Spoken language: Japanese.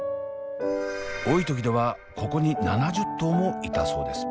多い時ではここに７０頭もいたそうです。